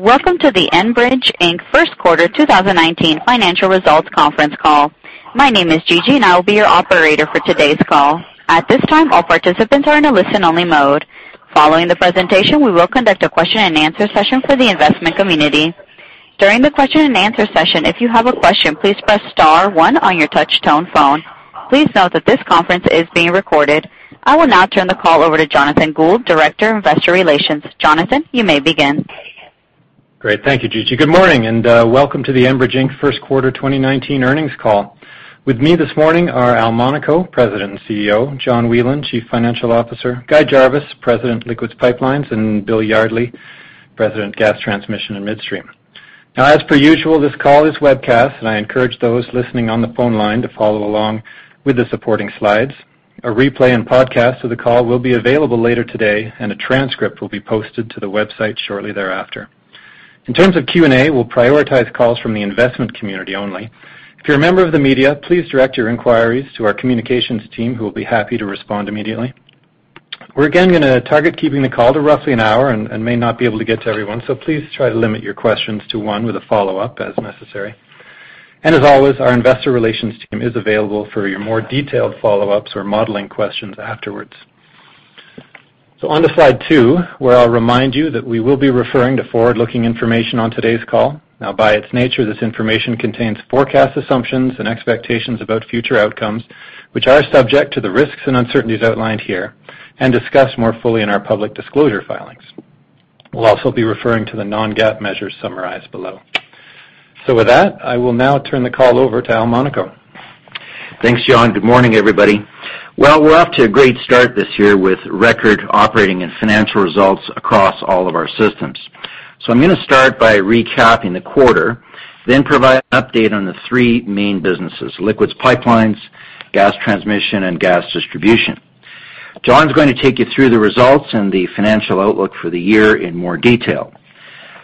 Welcome to the Enbridge Inc. First Quarter 2019 Financial Results Conference Call. My name is Gigi, and I will be your operator for today's call. At this time, all participants are in a listen-only mode. Following the presentation, we will conduct a question and answer session for the investment community. During the question and answer session, if you have a question, please press star one on your touch-tone phone. Please note that this conference is being recorded. I will now turn the call over to Jonathan Gould, Director of Investor Relations. Jonathan, you may begin. Great. Thank you, Gigi. Good morning, and welcome to the Enbridge Inc. First Quarter 2019 earnings call. With me this morning are Al Monaco, President and CEO, John Whelan, Chief Financial Officer, Guy Jarvis, President of Liquids Pipelines, and Bill Yardley, President, Gas Transmission and Midstream. As per usual, this call is webcast, and I encourage those listening on the phone line to follow along with the supporting slides. A replay and podcast of the call will be available later today, and a transcript will be posted to the website shortly thereafter. In terms of Q&A, we'll prioritize calls from the investment community only. If you're a member of the media, please direct your inquiries to our communications team, who will be happy to respond immediately. We're again going to target keeping the call to roughly an hour and may not be able to get to everyone, so please try to limit your questions to one with a follow-up as necessary. As always, our investor relations team is available for your more detailed follow-ups or modeling questions afterwards. On to slide two, where I'll remind you that we will be referring to forward-looking information on today's call. By its nature, this information contains forecast assumptions and expectations about future outcomes, which are subject to the risks and uncertainties outlined here and discussed more fully in our public disclosure filings. We'll also be referring to the non-GAAP measures summarized below. With that, I will now turn the call over to Al Monaco. Thanks, John. Good morning, everybody. We're off to a great start this year with record operating and financial results across all of our systems. I'm going to start by recapping the quarter, then provide an update on the three main businesses, Liquids Pipelines, Gas Transmission, and gas distribution. John's going to take you through the results and the financial outlook for the year in more detail.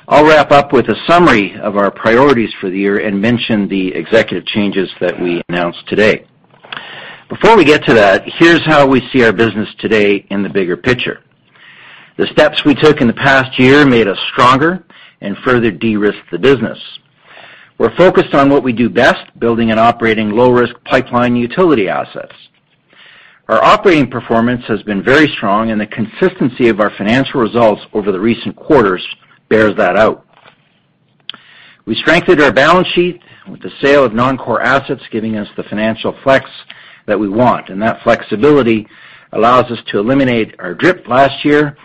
I'll wrap up with a summary of our priorities for the year and mention the executive changes that we announced today. Before we get to that, here's how we see our business today in the bigger picture. The steps we took in the past year made us stronger and further de-risked the business. We're focused on what we do best, building and operating low-risk pipeline utility assets. Our operating performance has been very strong, the consistency of our financial results over the recent quarters bears that out. We strengthened our balance sheet with the sale of non-core assets, giving us the financial flex that we want, that flexibility allows us to eliminate our DRIP last year,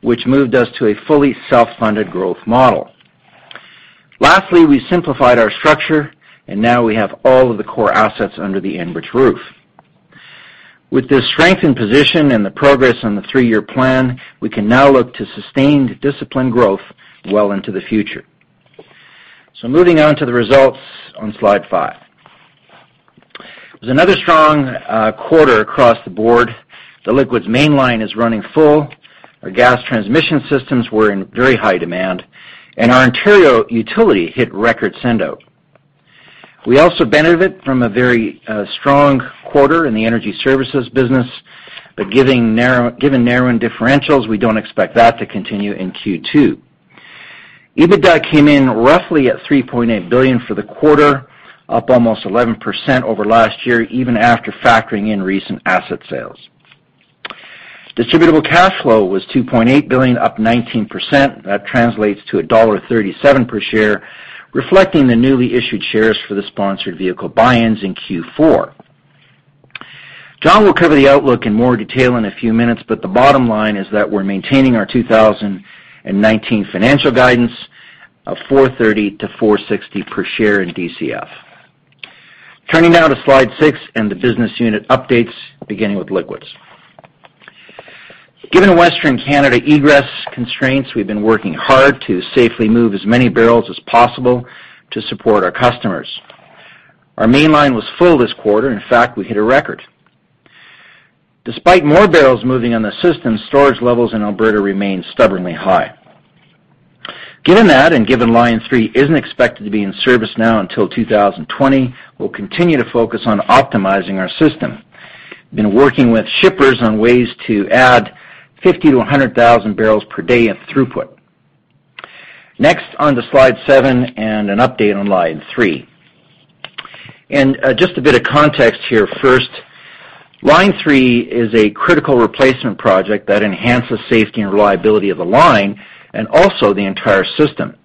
which moved us to a fully self-funded growth model. Lastly, we simplified our structure, now we have all of the core assets under the Enbridge roof. With this strengthened position and the progress on the three-year plan, we can now look to sustained, disciplined growth well into the future. Moving on to the results on slide five. It was another strong quarter across the board. The Liquids Mainline is running full. Our Gas Transmission systems were in very high demand, and our Ontario utility hit record sendout. We also benefit from a very strong quarter in the energy services business, given narrowing differentials, we don't expect that to continue in Q2. EBITDA came in roughly at 3.8 billion for the quarter, up almost 11% over last year, even after factoring in recent asset sales. Distributable cash flow was 2.8 billion, up 19%. That translates to dollar 1.37 per share, reflecting the newly issued shares for the sponsored vehicle buy-ins in Q4. John will cover the outlook in more detail in a few minutes, the bottom line is that we're maintaining our 2019 financial guidance of 4.30-4.60 per share in DCF. Turning now to slide six and the Business Unit updates, beginning with Liquids. Given Western Canada egress constraints, we've been working hard to safely move as many barrels as possible to support our customers. Our Mainline was full this quarter. In fact, we hit a record. Despite more barrels moving on the system, storage levels in Alberta remain stubbornly high. Given that, and given Line 3 isn't expected to be in service now until 2020, we'll continue to focus on optimizing our system. Been working with shippers on ways to add 50,000-100,000 barrels per day of throughput. Next, on to slide seven and an update on Line 3. Just a bit of context here first. Line 3 is a critical replacement project that enhances safety and reliability of the line and also the entire system.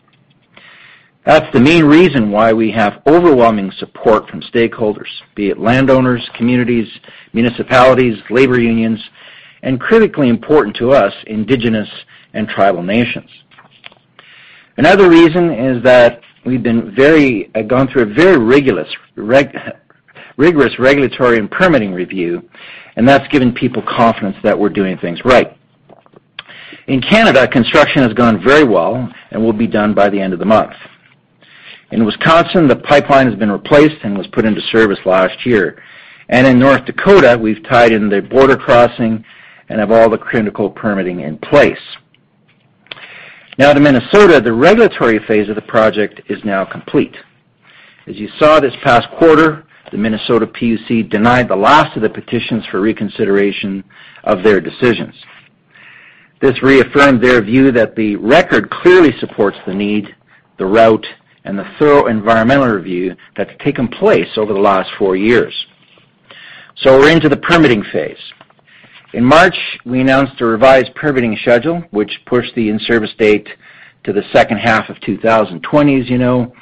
That's the main reason why we have overwhelming support from stakeholders, be it landowners, communities, municipalities, labor unions, and critically important to us, Indigenous and tribal nations. Another reason is that we've gone through a very rigorous regulatory and permitting review, and that's given people confidence that we're doing things right. In Canada, construction has gone very well and will be done by the end of the month. In Wisconsin, the pipeline has been replaced and was put into service last year. In North Dakota, we've tied in the border crossing and have all the critical permitting in place. Now to Minnesota, the regulatory phase of the project is now complete. As you saw this past quarter, the Minnesota PUC denied the last of the petitions for reconsideration of their decisions. This reaffirmed their view that the record clearly supports the need, the route, and the thorough environmental review that's taken place over the last four years. We're into the permitting phase. In March, we announced a revised permitting schedule, which pushed the in-service date to the second half of 2020, as you know.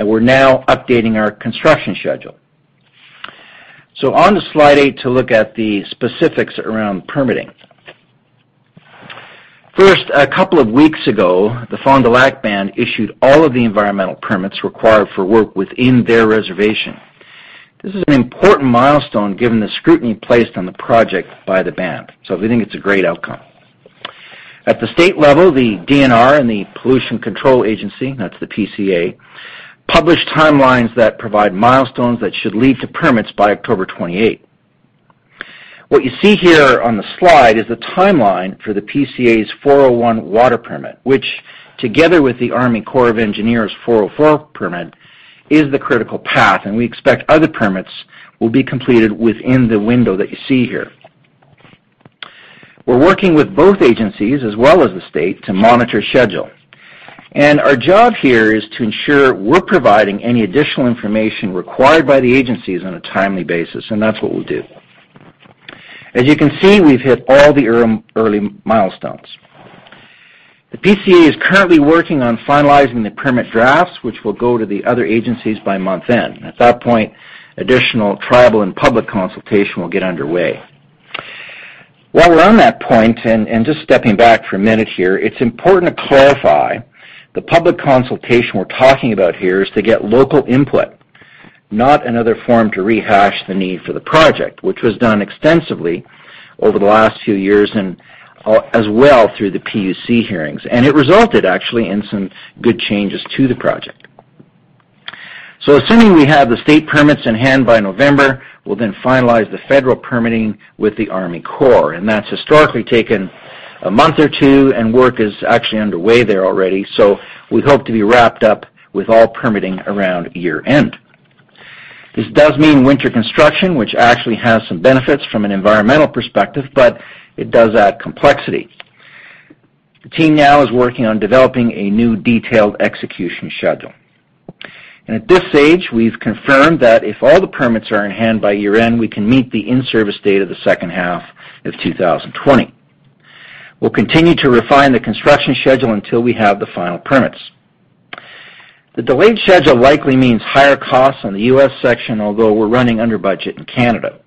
We're now updating our construction schedule. On to slide eight to look at the specifics around permitting. First, a couple of weeks ago, the Fond du Lac Band issued all of the environmental permits required for work within their reservation. This is an important milestone given the scrutiny placed on the project by the band. We think it's a great outcome. At the state level, the DNR and the Pollution Control Agency, that's the PCA, published timelines that provide milestones that should lead to permits by October 28. What you see here on the slide is the timeline for the PCA's 401 water permit, which, together with the U.S. Army Corps of Engineers' 404 permit, is the critical path, and we expect other permits will be completed within the window that you see here. We're working with both agencies as well as the state to monitor schedule. Our job here is to ensure we're providing any additional information required by the agencies on a timely basis, and that's what we'll do. As you can see, we've hit all the early milestones. The PCA is currently working on finalizing the permit drafts, which will go to the other agencies by month-end. At that point, additional tribal and public consultation will get underway. While we're on that point, and just stepping back for a minute here, it's important to clarify, the public consultation we're talking about here is to get local input, not another forum to rehash the need for the project, which was done extensively over the last few years and as well through the PUC hearings. And it resulted actually in some good changes to the project. Assuming we have the state permits in hand by November, we'll then finalize the federal permitting with the U.S. Army Corps, and that's historically taken a month or two, and work is actually underway there already. We hope to be wrapped up with all permitting around year-end. This does mean winter construction, which actually has some benefits from an environmental perspective, but it does add complexity. The team now is working on developing a new detailed execution schedule. At this stage, we've confirmed that if all the permits are in hand by year-end, we can meet the in-service date of the second half of 2020. We'll continue to refine the construction schedule until we have the final permits. The delayed schedule likely means higher costs on the U.S. section, although we're running under budget in Canada.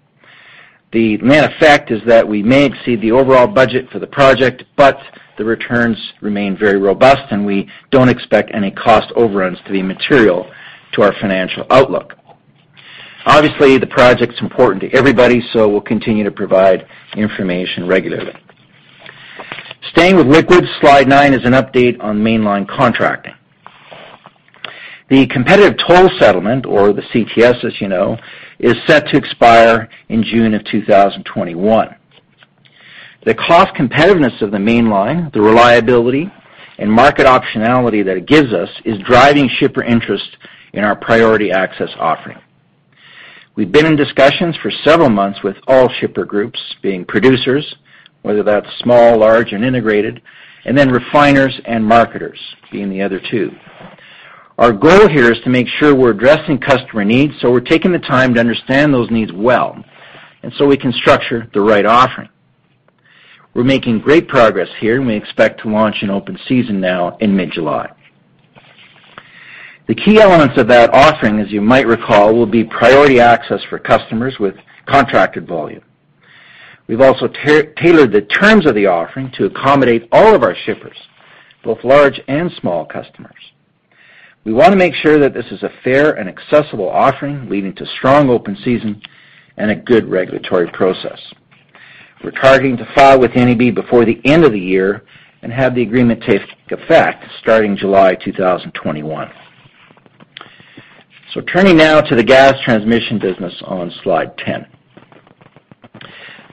The matter of fact is that we may exceed the overall budget for the project, but the returns remain very robust, and we don't expect any cost overruns to be material to our financial outlook. Obviously, the project's important to everybody, we'll continue to provide information regularly. Staying with Liquids, slide nine is an update on Mainline contracting. The competitive toll settlement or the CTS, as you know, is set to expire in June of 2021. The cost competitiveness of the Mainline, the reliability, and market optionality that it gives us is driving shipper interest in our priority access offering. We've been in discussions for several months with all shipper groups, being producers, whether that's small, large, or integrated, and then refiners and marketers being the other two. Our goal here is to make sure we're addressing customer needs. We're taking the time to understand those needs well. We can structure the right offering. We're making great progress here. We expect to launch in open season now in mid-July. The key elements of that offering, as you might recall, will be priority access for customers with contracted volume. We've also tailored the terms of the offering to accommodate all of our shippers, both large and small customers. We want to make sure that this is a fair and accessible offering, leading to strong open season and a good regulatory process. We're targeting to file with NEB before the end of the year and have the agreement take effect starting July 2021. Turning now to the gas transmission business on slide 10.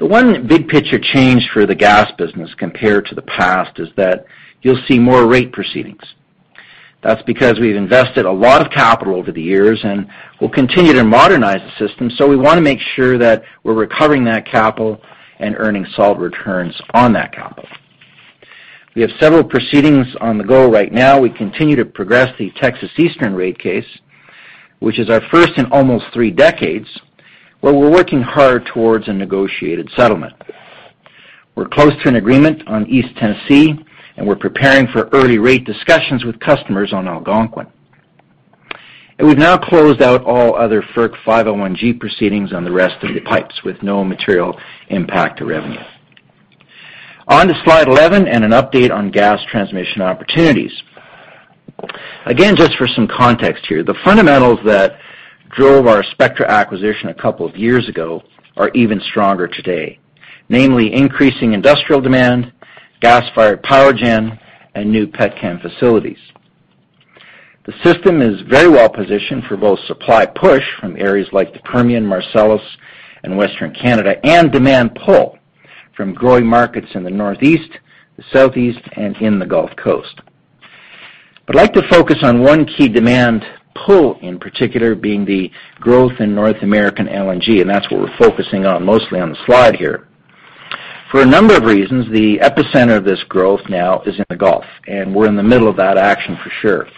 The one big picture change for the gas business compared to the past is that you'll see more rate proceedings. That's because we've invested a lot of capital over the years. We'll continue to modernize the system. We want to make sure that we're recovering that capital and earning solid returns on that capital. We have several proceedings on the go right now. We continue to progress the Texas Eastern rate case, which is our first in almost three decades, where we're working hard towards a negotiated settlement. We're close to an agreement on East Tennessee, and we're preparing for early rate discussions with customers on Algonquin. We've now closed out all other FERC 501-G proceedings on the rest of the pipes with no material impact to revenue. On to slide 11 and an update on gas transmission opportunities. Again, just for some context here, the fundamentals that drove our Spectra acquisition a couple of years ago are even stronger today, namely increasing industrial demand, gas-fired power gen, and new pet chem facilities. The system is very well-positioned for both supply push from areas like the Permian, Marcellus, and Western Canada and demand pull from growing markets in the Northeast, the Southeast, and in the Gulf Coast. I'd like to focus on one key demand pull, in particular, being the growth in North American LNG. That's what we're focusing on mostly on the slide here. For a number of reasons, the epicenter of this growth now is in the Gulf. We're in the middle of that action for sure.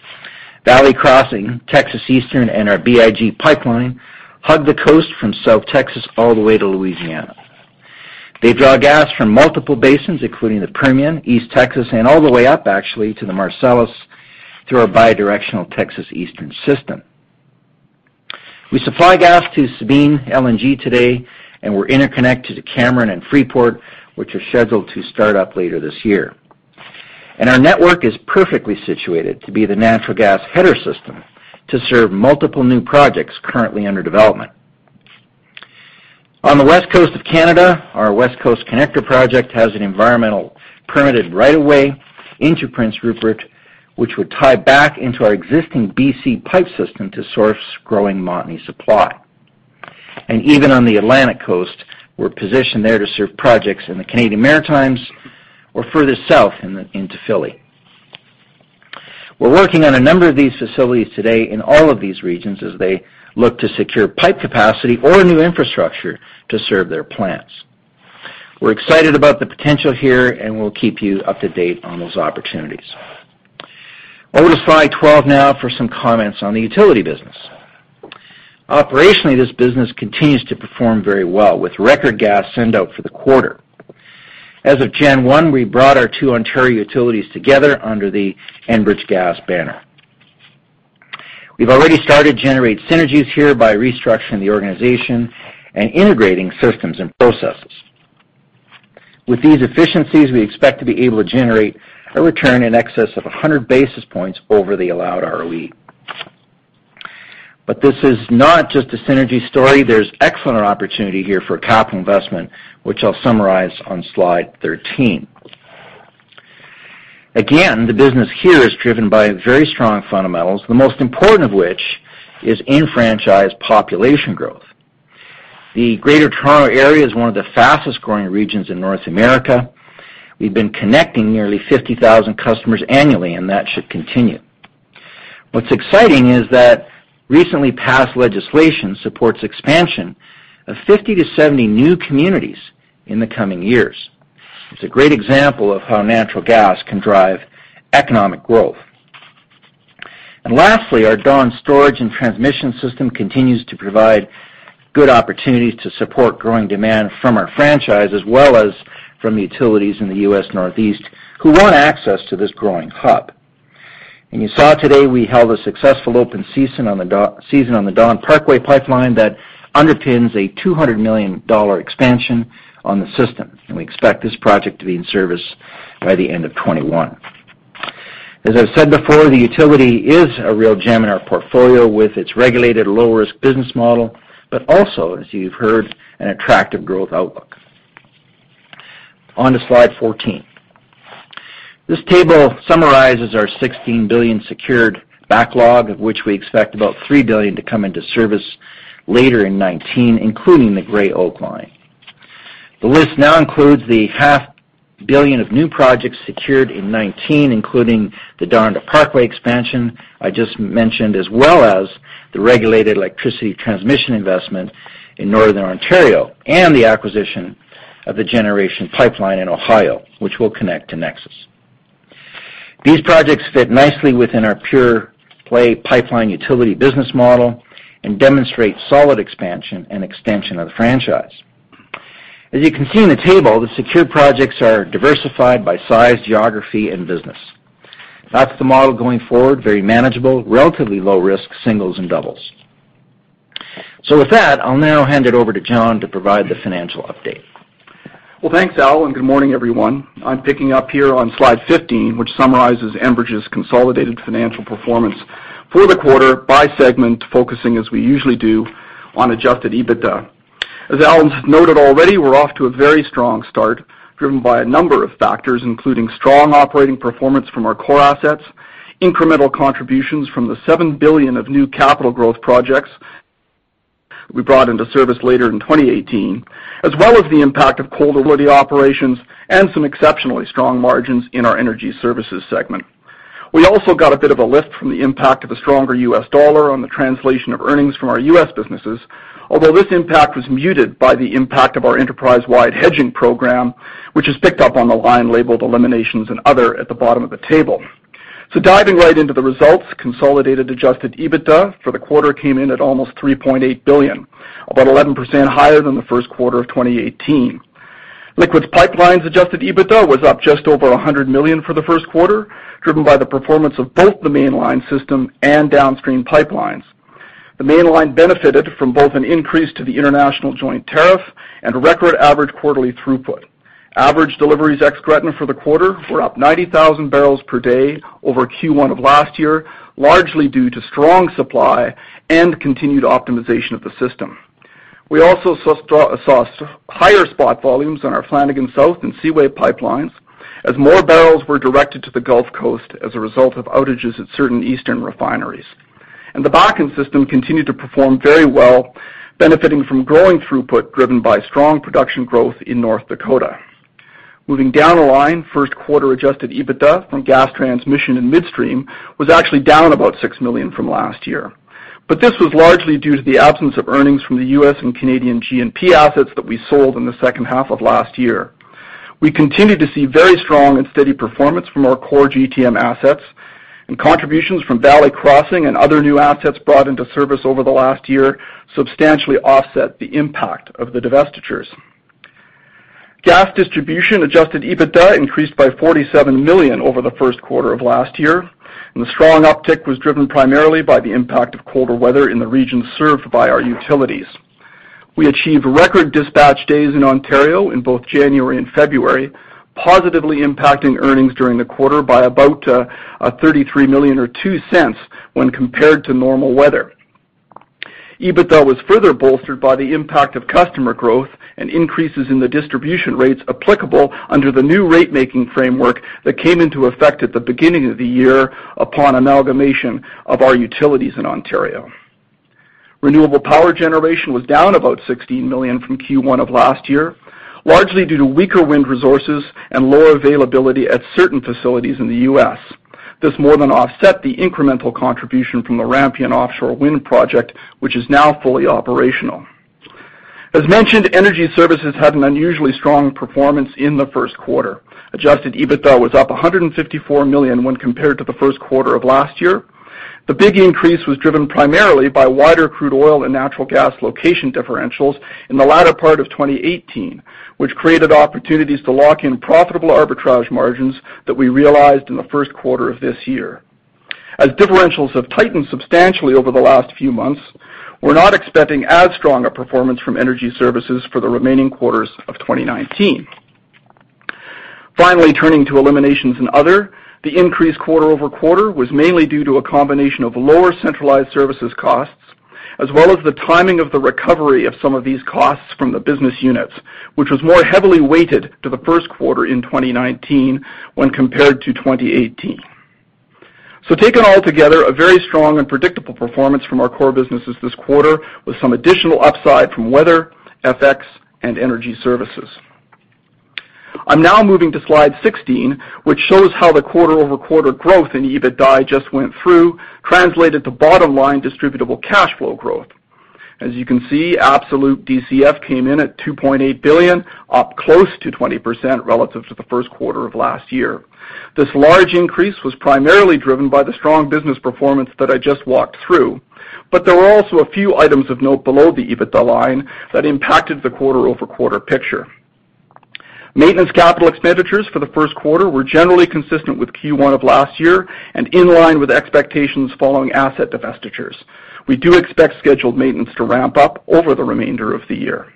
Valley Crossing, Texas Eastern, and our Big Inch pipeline hug the coast from South Texas all the way to Louisiana. They draw gas from multiple basins, including the Permian, East Texas, and all the way up actually to the Marcellus, through our bi-directional Texas Eastern system. We supply gas to Sabine LNG today. We're interconnected to Cameron and Freeport, which are scheduled to start up later this year. Our network is perfectly situated to be the natural gas header system to serve multiple new projects currently under development. On the West Coast of Canada, our West Coast Connector project has an environmental permitted right of way into Prince Rupert, which would tie back into our existing BC Pipeline system to source growing Montney supply. Even on the Atlantic coast, we're positioned there to serve projects in the Canadian Maritimes or further south into Philly. We're working on a number of these facilities today in all of these regions as they look to secure pipe capacity or new infrastructure to serve their plants. We're excited about the potential here, and we'll keep you up to date on those opportunities. Over to slide 12 now for some comments on the utility business. Operationally, this business continues to perform very well with record gas sendout for the quarter. As of January 1, we brought our two Ontario utilities together under the Enbridge Gas banner. We've already started to generate synergies here by restructuring the organization and integrating systems and processes. With these efficiencies, we expect to be able to generate a return in excess of 100 basis points over the allowed ROE. This is not just a synergy story. There's excellent opportunity here for a capital investment, which I'll summarize on slide 13. The business here is driven by very strong fundamentals, the most important of which is enfranchised population growth. The Greater Toronto area is one of the fastest-growing regions in North America. We've been connecting nearly 50,000 customers annually, and that should continue. What's exciting is that recently passed legislation supports expansion of 50 to 70 new communities in the coming years. It's a great example of how natural gas can drive economic growth. Lastly, our Dawn storage and transmission system continues to provide good opportunities to support growing demand from our franchise, as well as from the utilities in the U.S. Northeast who want access to this growing hub. You saw today we held a successful open season on the Dawn Parkway Pipeline that underpins a 200 million dollar expansion on the system, and we expect this project to be in service by the end of 2021. As I've said before, the utility is a real gem in our portfolio with its regulated low-risk business model, but also, as you've heard, an attractive growth outlook. On to slide 14. This table summarizes our 16 billion secured backlog, of which we expect about 3 billion to come into service later in 2019, including the Gray Oak Pipeline. The list now includes the half billion of new projects secured in 2019, including the Dawn to Parkway expansion I just mentioned, as well as the regulated electricity transmission investment in Northern Ontario and the acquisition of the Generation Pipeline in Ohio, which will connect to NEXUS. These projects fit nicely within our pure play pipeline utility business model and demonstrate solid expansion and extension of the franchise. As you can see in the table, the secured projects are diversified by size, geography, and business. That's the model going forward, very manageable, relatively low risk, singles, and doubles. With that, I'll now hand it over to John to provide the financial update. Well, thanks, Al, and good morning, everyone. I'm picking up here on slide 15, which summarizes Enbridge's consolidated financial performance for the quarter by segment, focusing, as we usually do, on adjusted EBITDA. As Al noted already, we're off to a very strong start, driven by a number of factors, including strong operating performance from our core assets, incremental contributions from the 7 billion of new capital growth projects we brought into service later in 2018, as well as the impact of colder weather operations and some exceptionally strong margins in our Energy Services segment. We also got a bit of a lift from the impact of a stronger U.S. dollar on the translation of earnings from our U.S. businesses, although this impact was muted by the impact of our enterprise-wide hedging program, which is picked up on the line labeled Eliminations and Other at the bottom of the table. Diving right into the results, consolidated adjusted EBITDA for the quarter came in at almost 3.8 billion, about 11% higher than the first quarter of 2018. Liquids Pipelines adjusted EBITDA was up just over 100 million for the first quarter, driven by the performance of both the mainline system and downstream pipelines. The mainline benefited from both an increase to the international joint tariff and record average quarterly throughput. Average deliveries ex Gretna for the quarter were up 90,000 barrels per day over Q1 of last year, largely due to strong supply and continued optimization of the system. We also saw higher spot volumes on our Flanagan South and Seaway Pipeline as more barrels were directed to the Gulf Coast as a result of outages at certain eastern refineries. The Bakken system continued to perform very well, benefiting from growing throughput driven by strong production growth in North Dakota. Moving down the line, first quarter adjusted EBITDA from Gas Transmission and Midstream was actually down about 6 million from last year. This was largely due to the absence of earnings from the U.S. and Canadian G&P assets that we sold in the second half of last year. We continued to see very strong and steady performance from our core GTM assets, and contributions from Valley Crossing and other new assets brought into service over the last year substantially offset the impact of the divestitures. Gas Distribution adjusted EBITDA increased by 47 million over the first quarter of last year, and the strong uptick was driven primarily by the impact of colder weather in the regions served by our utilities. We achieved record dispatch days in Ontario in both January and February, positively impacting earnings during the quarter by about 33 million or 0.02 when compared to normal weather. EBITDA was further bolstered by the impact of customer growth and increases in the distribution rates applicable under the new rate-making framework that came into effect at the beginning of the year upon amalgamation of our utilities in Ontario. Renewable Power Generation was down about 16 million from Q1 of last year, largely due to weaker wind resources and lower availability at certain facilities in the U.S. This more than offset the incremental contribution from the Rampion Offshore Wind Farm, which is now fully operational. As mentioned, Energy Services had an unusually strong performance in the first quarter. Adjusted EBITDA was up 154 million when compared to the first quarter of last year. The big increase was driven primarily by wider crude oil and natural gas location differentials in the latter part of 2018, which created opportunities to lock in profitable arbitrage margins that we realized in the first quarter of this year. As differentials have tightened substantially over the last few months, we're not expecting as strong a performance from energy services for the remaining quarters of 2019. Finally, turning to eliminations and other, the increase quarter-over-quarter was mainly due to a combination of lower centralized services costs, as well as the timing of the recovery of some of these costs from the business units, which was more heavily weighted to the first quarter in 2019 when compared to 2018. Taken all together, a very strong and predictable performance from our core businesses this quarter, with some additional upside from weather, FX, and energy services. I'm now moving to slide 16, which shows how the quarter-over-quarter growth in EBITDA I just went through translated to bottom-line distributable cash flow growth. As you can see, absolute DCF came in at 2.8 billion, up close to 20% relative to the first quarter of last year. This large increase was primarily driven by the strong business performance that I just walked through, but there were also a few items of note below the EBITDA line that impacted the quarter-over-quarter picture. Maintenance capital expenditures for the first quarter were generally consistent with Q1 of last year and in line with expectations following asset divestitures. We do expect scheduled maintenance to ramp up over the remainder of the year.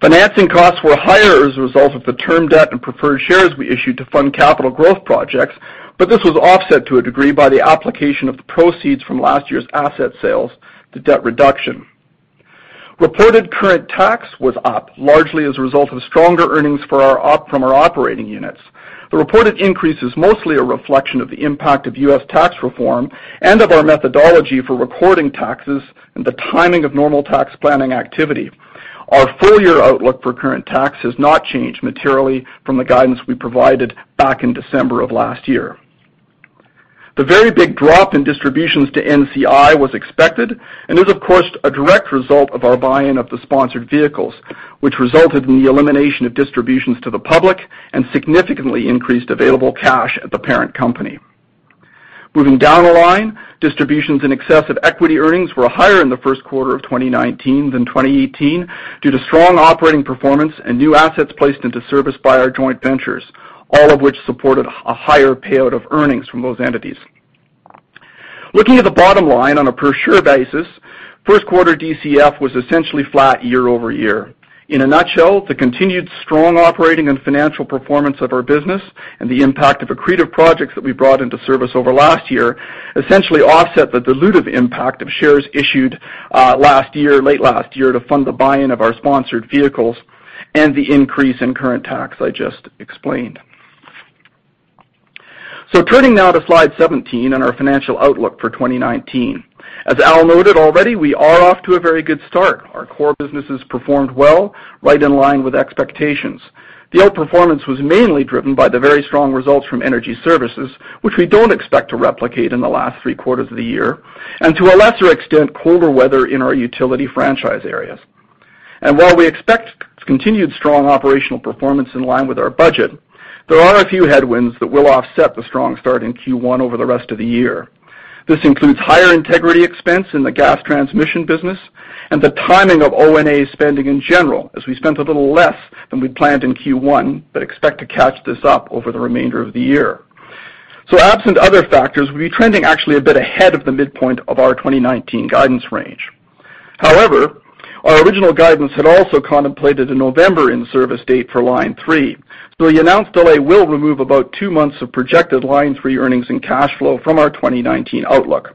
Financing costs were higher as a result of the term debt and preferred shares we issued to fund capital growth projects, but this was offset to a degree by the application of the proceeds from last year's asset sales to debt reduction. Reported current tax was up, largely as a result of stronger earnings from our operating units. The reported increase is mostly a reflection of the impact of U.S. tax reform and of our methodology for recording taxes and the timing of normal tax planning activity. Our full-year outlook for current tax has not changed materially from the guidance we provided back in December of last year. The very big drop in distributions to NCI was expected and is, of course, a direct result of our buy-in of the sponsored vehicles, which resulted in the elimination of distributions to the public and significantly increased available cash at the parent company. Moving down the line, distributions in excess of equity earnings were higher in the first quarter of 2019 than 2018 due to strong operating performance and new assets placed into service by our joint ventures, all of which supported a higher payout of earnings from those entities. Looking at the bottom line on a per-share basis, first quarter DCF was essentially flat year-over-year. In a nutshell, the continued strong operating and financial performance of our business and the impact of accretive projects that we brought into service over last year essentially offset the dilutive impact of shares issued late last year to fund the buy-in of our sponsored vehicles and the increase in current tax I just explained. Turning now to slide 17 on our financial outlook for 2019. As Al noted already, we are off to a very good start. Our core businesses performed well, right in line with expectations. The outperformance was mainly driven by the very strong results from energy services, which we don't expect to replicate in the last three quarters of the year, and to a lesser extent, colder weather in our utility franchise areas. While we expect continued strong operational performance in line with our budget, there are a few headwinds that will offset the strong start in Q1 over the rest of the year. This includes higher integrity expense in the Gas Transmission business and the timing of O&M spending in general, as we spent a little less than we'd planned in Q1 but expect to catch this up over the remainder of the year. Absent other factors, we'd be trending actually a bit ahead of the midpoint of our 2019 guidance range. However, our original guidance had also contemplated a November in-service date for Line 3, so the announced delay will remove about two months of projected Line 3 earnings and cash flow from our 2019 outlook.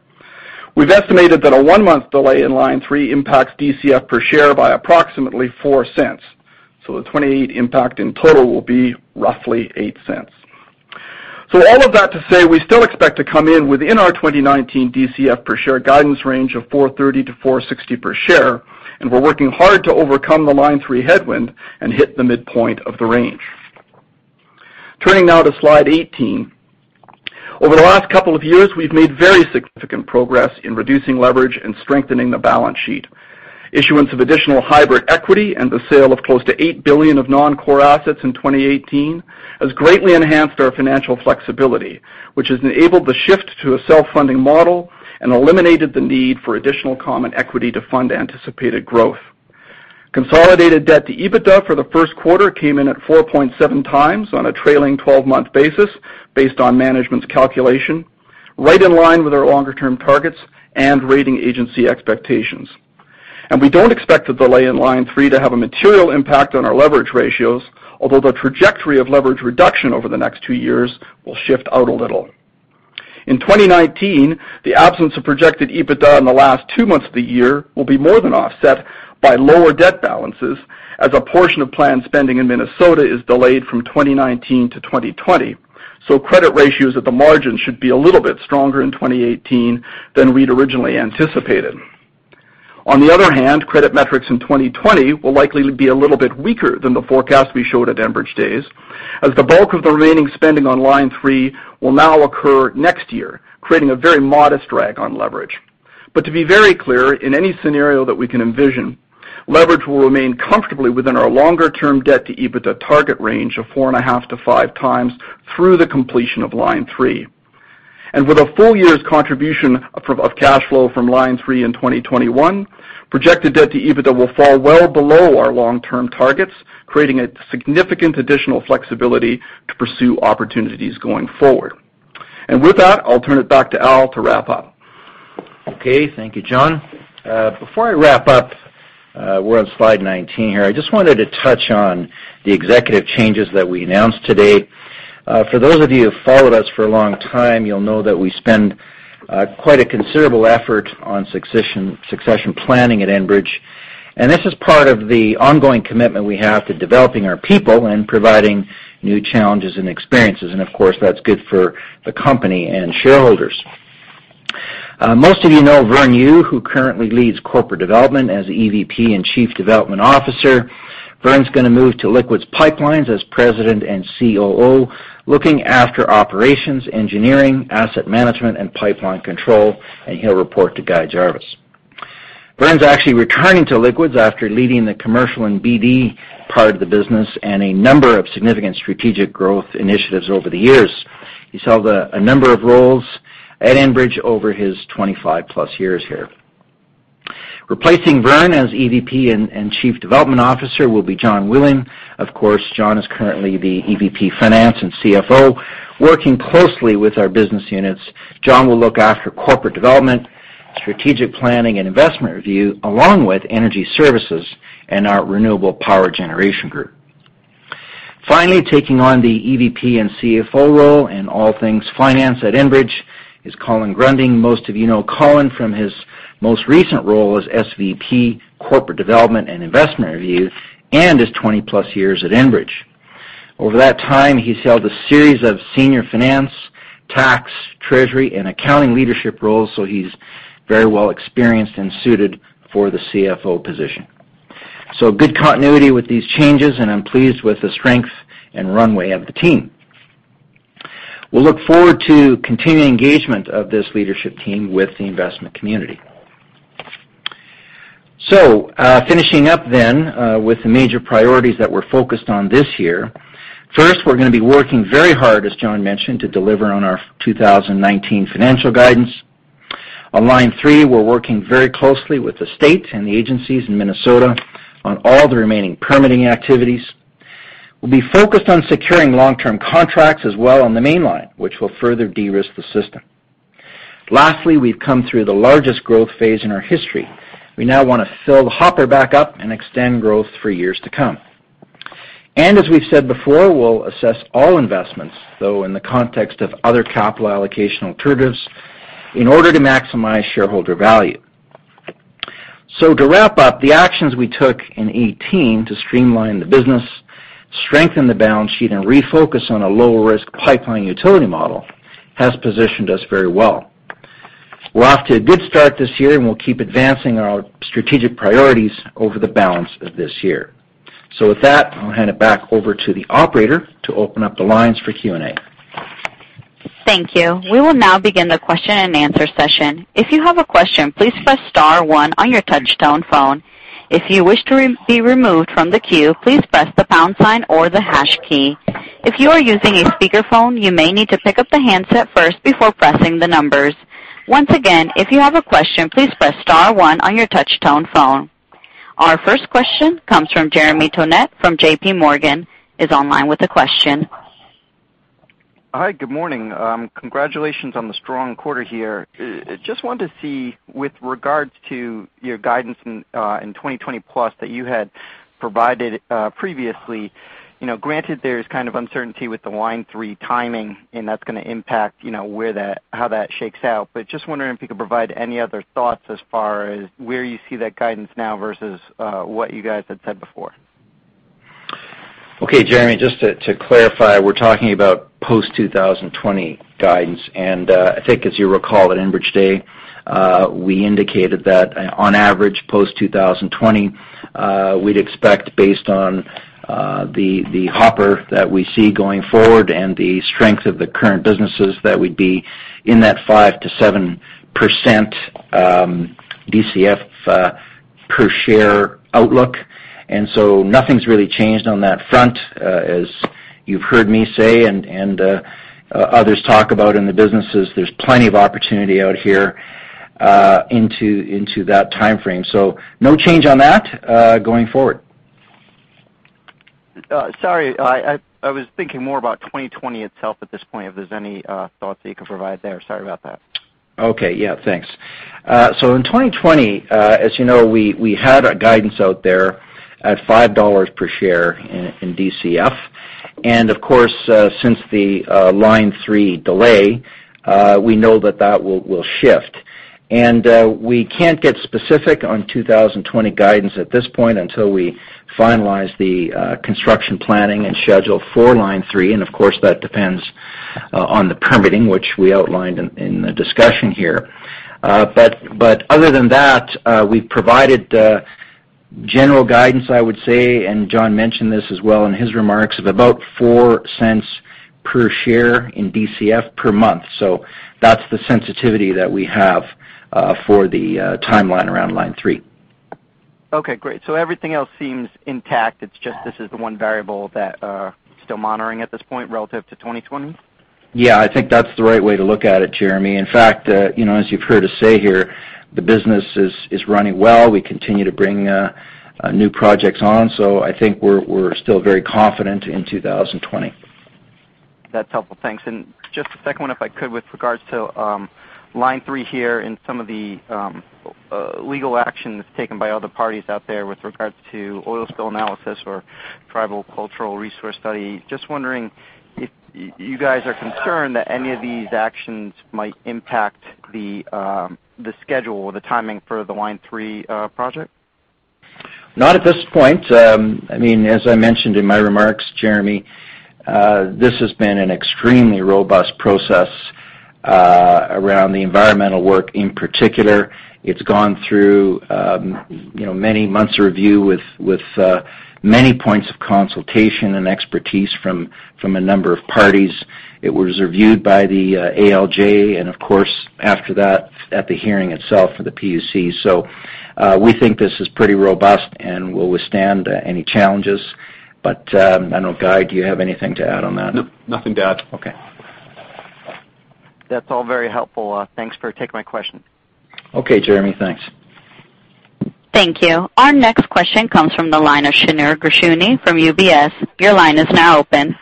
We've estimated that a one-month delay in Line 3 impacts DCF per share by approximately 0.04, so the 2028 impact in total will be roughly 0.08. All of that to say, we still expect to come in within our 2019 DCF per share guidance range of 4.30 to 4.60 per share, and we're working hard to overcome the Line 3 headwind and hit the midpoint of the range. Turning now to slide 18. Over the last couple of years, we've made very significant progress in reducing leverage and strengthening the balance sheet. Issuance of additional hybrid equity and the sale of close to 8 billion of non-core assets in 2018 has greatly enhanced our financial flexibility, which has enabled the shift to a self-funding model and eliminated the need for additional common equity to fund anticipated growth. Consolidated debt to EBITDA for the first quarter came in at 4.7x on a trailing 12-month basis, based on management's calculation, right in line with our longer-term targets and rating agency expectations. We don't expect the delay in Line 3 to have a material impact on our leverage ratios, although the trajectory of leverage reduction over the next two years will shift out a little. In 2019, the absence of projected EBITDA in the last two months of the year will be more than offset by lower debt balances as a portion of planned spending in Minnesota is delayed from 2019 to 2020. Credit ratios at the margin should be a little bit stronger in 2018 than we'd originally anticipated. On the other hand, credit metrics in 2020 will likely be a little bit weaker than the forecast we showed at Enbridge Day, as the bulk of the remaining spending on Line 3 will now occur next year, creating a very modest drag on leverage. But to be very clear, in any scenario that we can envision, leverage will remain comfortably within our longer-term debt-to-EBITDA target range of 4.5 to 5 times through the completion of Line 3. And with a full year's contribution of cash flow from Line 3 in 2021, projected debt to EBITDA will fall well below our long-term targets, creating a significant additional flexibility to pursue opportunities going forward. And with that, I'll turn it back to Al to wrap up. Okay. Thank you, John. Before I wrap up, we're on slide 19 here. I just wanted to touch on the executive changes that we announced today. For those of you who've followed us for a long time, you'll know that we spend quite a considerable effort on succession planning at Enbridge, and this is part of the ongoing commitment we have to developing our people and providing new challenges and experiences. And of course, that's good for the company and shareholders. Most of you know Vern Yu, who currently leads corporate development as EVP and Chief Development Officer. Vern's going to move to Liquids Pipelines as President and COO, looking after operations, engineering, asset management, and pipeline control, and he'll report to Guy Jarvis. Vern's actually returning to Liquids after leading the commercial and BD part of the business and a number of significant strategic growth initiatives over the years. He's held a number of roles at Enbridge over his 25-plus years here. Replacing Vern as EVP and Chief Development Officer will be John Whelen. Of course, John is currently the EVP Finance and CFO, working closely with our business units. John will look after corporate development, strategic planning, and investment review, along with energy services and our renewable power generation group. Finally, taking on the EVP and CFO role in all things finance at Enbridge is Colin Gruending. Most of you know Colin from his most recent role as SVP Corporate Development and Investment Review and his 20-plus years at Enbridge. Over that time, he's held a series of senior finance, tax, treasury, and accounting leadership roles, so he's very well experienced and suited for the CFO position. Good continuity with these changes, and I'm pleased with the strength and runway of the team. We'll look forward to continuing engagement of this leadership team with the investment community. Finishing up then with the major priorities that we're focused on this year. First, we're going to be working very hard, as John mentioned, to deliver on our 2019 financial guidance. On Line 3, we're working very closely with the state and the agencies in Minnesota on all the remaining permitting activities. We'll be focused on securing long-term contracts as well on the mainline, which will further de-risk the system. Lastly, we've come through the largest growth phase in our history. We now want to fill the hopper back up and extend growth for years to come. And as we've said before, we'll assess all investments, though, in the context of other capital allocation alternatives in order to maximize shareholder value. To wrap up, the actions we took in 2018 to streamline the business, strengthen the balance sheet, and refocus on a lower-risk pipeline utility model has positioned us very well. We're off to a good start this year, and we'll keep advancing our strategic priorities over the balance of this year. With that, I'll hand it back over to the operator to open up the lines for Q&A. Thank you. We will now begin the question-and-answer session. If you have a question, please press star one on your touch-tone phone. If you wish to be removed from the queue, please press the pound sign or the hash key. If you are using a speakerphone, you may need to pick up the handset first before pressing the numbers. Once again, if you have a question, please press star one on your touch-tone phone. Our first question comes from Jeremy Tonet from JPMorgan, is online with a question. Hi. Good morning. Congratulations on the strong quarter here. Just wanted to see, with regards to your guidance in 2020-plus that you had provided previously, granted there's kind of uncertainty with the Line 3 timing, and that's going to impact how that shakes out, just wondering if you could provide any other thoughts as far as where you see that guidance now versus what you guys had said before. Okay, Jeremy, just to clarify, we're talking about post-2020 guidance. I think as you recall, at Enbridge Day, we indicated that on average, post-2020, we'd expect based on the hopper that we see going forward and the strength of the current businesses, that we'd be in that 5%-7% DCF per share outlook. Nothing's really changed on that front. As you've heard me say and others talk about in the businesses, there's plenty of opportunity out here into that timeframe. No change on that going forward. Sorry, I was thinking more about 2020 itself at this point. If there's any thoughts that you could provide there. Sorry about that. Okay. Yeah, thanks. In 2020, as you know, we had a guidance out there at 5 dollars per share in DCF. Of course, since the Line 3 delay, we know that that will shift. We can't get specific on 2020 guidance at this point until we finalize the construction planning and schedule for Line 3. Of course, that depends on the permitting, which we outlined in the discussion here. Other than that, we've provided general guidance, I would say, and John mentioned this as well in his remarks, of about 0.04 per share in DCF per month. That's the sensitivity that we have for the timeline around Line 3. Okay, great. Everything else seems intact. It's just this is the one variable that you're still monitoring at this point relative to 2020? Yeah, I think that's the right way to look at it, Jeremy. In fact, as you've heard us say here, the business is running well. We continue to bring new projects on. I think we're still very confident in 2020. That's helpful. Thanks. Just a second one, if I could, with regards to Line 3 here and some of the legal action that's taken by other parties out there with regards to oil spill analysis or tribal cultural resource study. Just wondering if you guys are concerned that any of these actions might impact the schedule or the timing for the Line 3 project. Not at this point. As I mentioned in my remarks, Jeremy, this has been an extremely robust process around the environmental work in particular. It's gone through many months of review with many points of consultation and expertise from a number of parties. It was reviewed by the ALJ, and of course, after that, at the hearing itself for the PUC. We think this is pretty robust and will withstand any challenges. I don't know, Guy, do you have anything to add on that? Nope. Nothing to add. Okay. That's all very helpful. Thanks for taking my question. Okay, Jeremy. Thanks. Thank you. Our next question comes from the line of Shneur Gershuni from UBS. Your line is now open.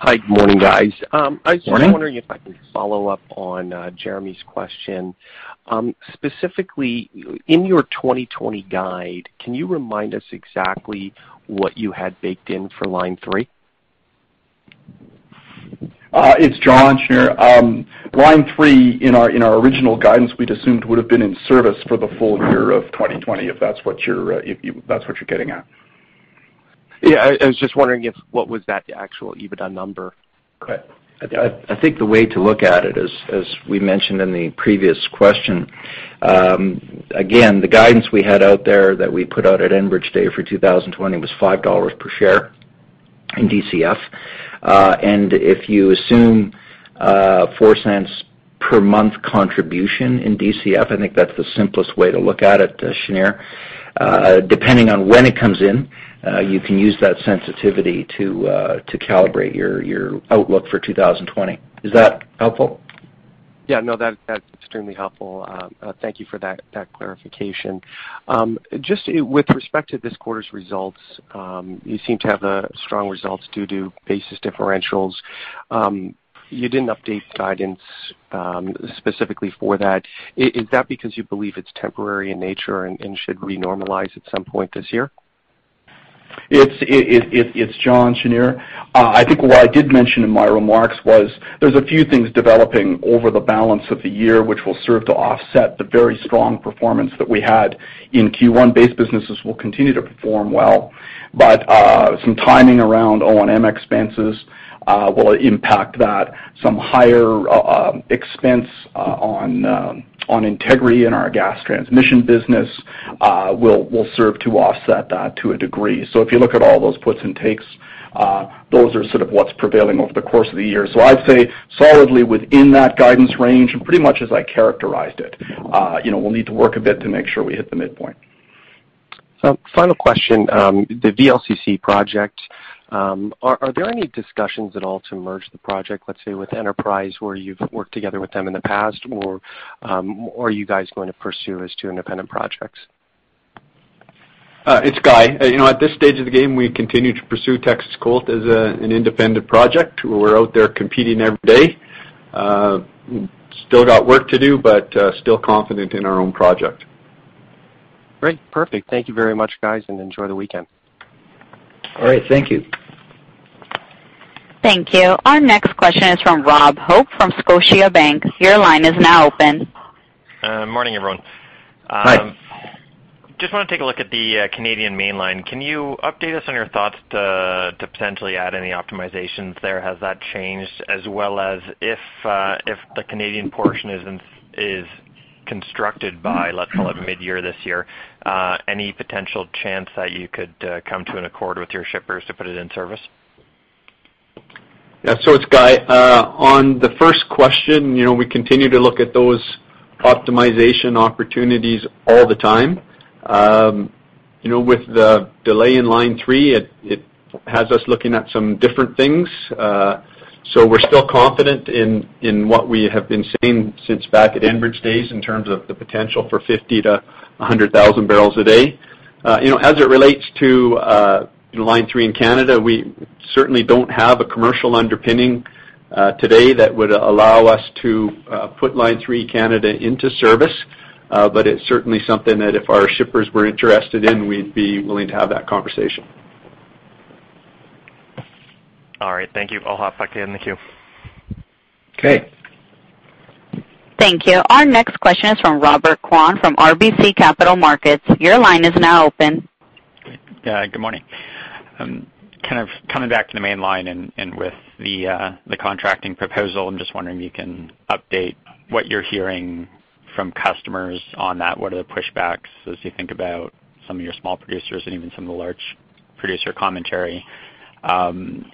Hi. Good morning, guys. Morning. I was just wondering if I can follow up on Jeremy's question. Specifically, in your 2020 guide, can you remind us exactly what you had baked in for Line 3? It's John, Shneur. Line 3, in our original guidance, we'd assumed would've been in service for the full year of 2020, if that's what you're getting at. Yeah, I was just wondering what was that actual EBITDA number. Okay. I think the way to look at it is, as we mentioned in the previous question. Again, the guidance we had out there that we put out at Enbridge Day for 2020 was 5 dollars per share in DCF. If you assume 0.04 per month contribution in DCF, I think that's the simplest way to look at it, Shneur. Depending on when it comes in, you can use that sensitivity to calibrate your outlook for 2020. Is that helpful? Yeah, no, that's extremely helpful. Thank you for that clarification. Just with respect to this quarter's results, you seem to have strong results due to basis differentials. You didn't update the guidance specifically for that. Is that because you believe it's temporary in nature and should re-normalize at some point this year? It's John, Shneur. I think what I did mention in my remarks was there's a few things developing over the balance of the year, which will serve to offset the very strong performance that we had in Q1. Base businesses will continue to perform well, but some timing around O&M expenses will impact that. Some higher expense on integrity in our gas transmission business will serve to offset that to a degree. If you look at all those puts and takes, those are sort of what's prevailing over the course of the year. I'd say solidly within that guidance range, and pretty much as I characterized it. We'll need to work a bit to make sure we hit the midpoint. Final question. The VLCC project. Are there any discussions at all to merge the project, let's say, with Enterprise, where you've worked together with them in the past, or are you guys going to pursue as two independent projects? It's Guy. At this stage of the game, we continue to pursue Texas COLT as an independent project. We're out there competing every day. Still got work to do, but still confident in our own project. Great. Perfect. Thank you very much, guys, enjoy the weekend. All right. Thank you. Thank you. Our next question is from Rob Hope from Scotiabank. Your line is now open. Morning, everyone. Hi. Just want to take a look at the Canadian mainline. Can you update us on your thoughts to potentially add any optimizations there? Has that changed? As well as if the Canadian portion is constructed by, let's call it mid-year this year, any potential chance that you could come to an accord with your shippers to put it in service? It's Guy. On the first question, we continue to look at those optimization opportunities all the time. With the delay in Line 3, it has us looking at some different things. We're still confident in what we have been saying since back at Enbridge Day in terms of the potential for 50,000 to 100,000 barrels a day. As it relates to Line 3 in Canada, we certainly don't have a commercial underpinning today that would allow us to put Line 3 Canada into service. It's certainly something that if our shippers were interested in, we'd be willing to have that conversation. All right. Thank you. I'll hop back in the queue. Okay. Thank you. Our next question is from Robert Kwan from RBC Capital Markets. Your line is now open. Good morning. Coming back to the mainline and with the contracting proposal, I'm just wondering if you can update what you're hearing from customers on that. What are the pushbacks as you think about some of your small producers and even some of the large producer commentary?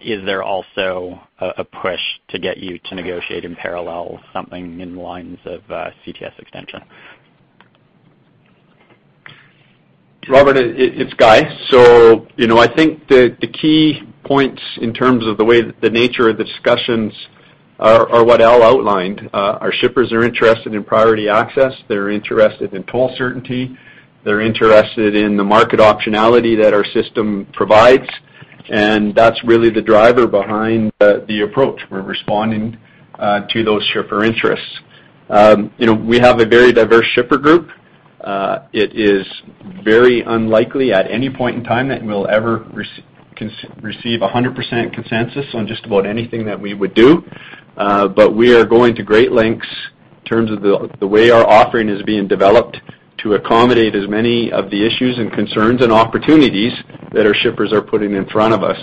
Is there also a push to get you to negotiate in parallel something in lines of CTS extension? Robert, it's Guy. I think the key points in terms of the nature of the discussions are what Al outlined. Our shippers are interested in priority access. They're interested in toll certainty. They're interested in the market optionality that our system provides, and that's really the driver behind the approach. We're responding to those shipper interests. We have a very diverse shipper group. It is very unlikely at any point in time that we'll ever receive 100% consensus on just about anything that we would do. We are going to great lengths in terms of the way our offering is being developed to accommodate as many of the issues and concerns and opportunities that our shippers are putting in front of us.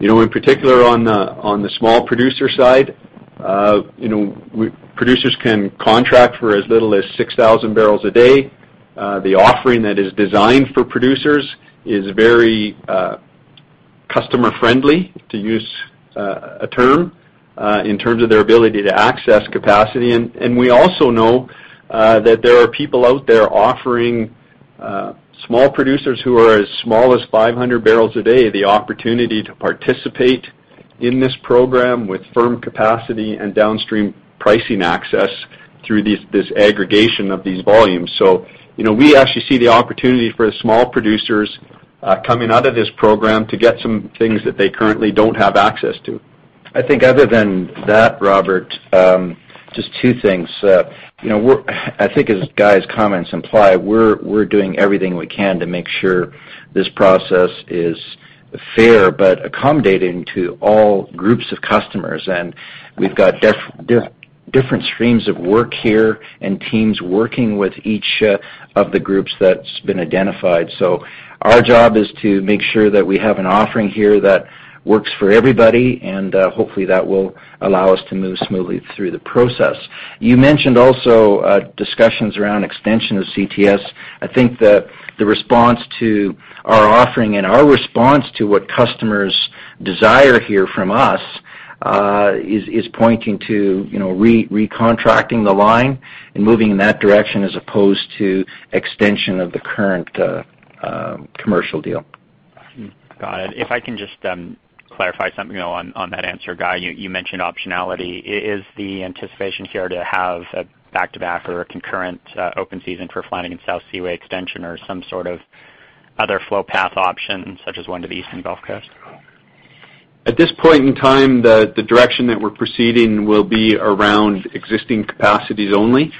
In particular, on the small producer side, producers can contract for as little as 6,000 barrels a day. The offering that is designed for producers is very customer friendly, to use a term, in terms of their ability to access capacity. We also know that there are people out there offering small producers who are as small as 500 barrels a day, the opportunity to participate in this program with firm capacity and downstream pricing access through this aggregation of these volumes. We actually see the opportunity for small producers coming out of this program to get some things that they currently don't have access to. I think other than that, Robert, just two things. I think as Guy's comments imply, we're doing everything we can to make sure this process is fair, but accommodating to all groups of customers. We've got different streams of work here and teams working with each of the groups that's been identified. Our job is to make sure that we have an offering here that works for everybody, and hopefully, that will allow us to move smoothly through the process. You mentioned also discussions around extension of CTS. I think that the response to our offering and our response to what customers desire here from us, is pointing to recontracting the line and moving in that direction as opposed to extension of the current commercial deal. Got it. If I can just clarify something on that answer, Guy, you mentioned optionality. Is the anticipation here to have a back-to-back or a concurrent open season for Flanagan South Seaway extension or some sort of other flow path option, such as one to the Eastern Gulf Coast? At this point in time, the direction that we're proceeding will be around existing capacities only.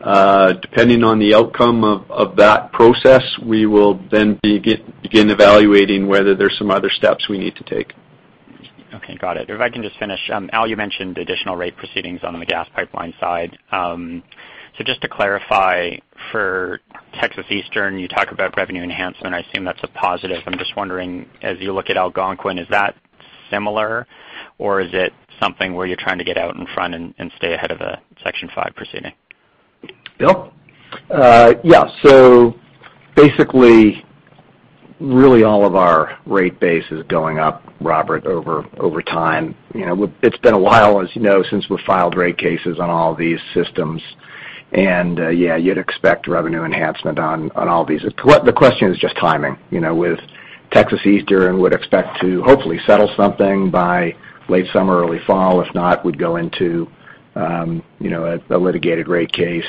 Depending on the outcome of that process, we will then begin evaluating whether there's some other steps we need to take. Okay. Got it. If I can just finish, Al, you mentioned additional rate proceedings on the gas pipeline side. Just to clarify, for Texas Eastern, you talk about revenue enhancement. I assume that's a positive. I'm just wondering, as you look at Algonquin, is that similar, or is it something where you're trying to get out in front and stay ahead of a Section 5 proceeding? Bill? Yeah. Basically, really all of our rate base is going up, Robert, over time. It's been a while, as you know, since we filed rate cases on all these systems. Yeah, you'd expect revenue enhancement on all these. The question is just timing. With Texas Eastern, we'd expect to hopefully settle something by late summer, early fall. If not, we'd go into a litigated rate case.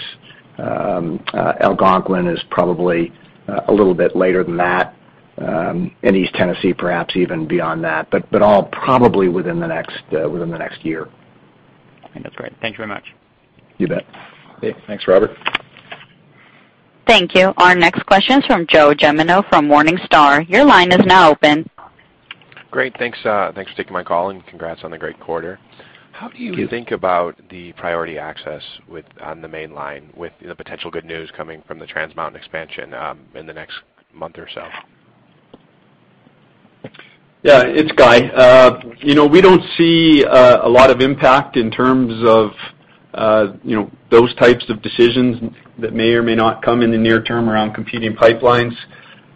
Algonquin is probably a little bit later than that, and East Tennessee perhaps even beyond that, but all probably within the next year. That's great. Thank you very much. You bet. Okay. Thanks, Robert. Thank you. Our next question is from Joe Gemino from Morningstar. Your line is now open. Great. Thanks for taking my call and congrats on the great quarter. How do you think about the priority access on the mainline with the potential good news coming from the Trans Mountain expansion in the next month or so? Yeah. It's Guy. We don't see a lot of impact in terms of those types of decisions that may or may not come in the near term around competing pipelines.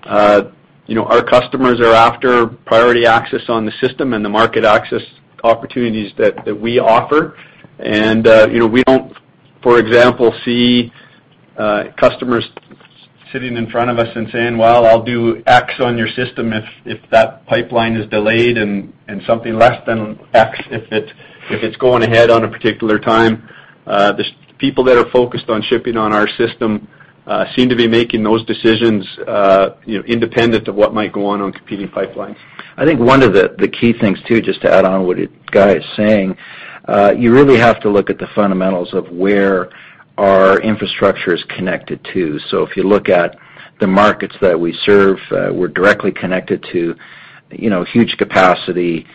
Our customers are after priority access on the system and the market access opportunities that we offer. We don't, for example, see customers sitting in front of us and saying, "Well, I'll do X on your system if that pipeline is delayed and something less than X, if it's going ahead on a particular time." The people that are focused on shipping on our system seem to be making those decisions independent of what might go on competing pipelines. I think one of the key things too, just to add on what Guy is saying, you really have to look at the fundamentals of where our infrastructure is connected to. If you look at the markets that we serve, we're directly connected to huge capacity,